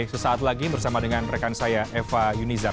sesaat lagi bersama dengan rekan saya eva yunizar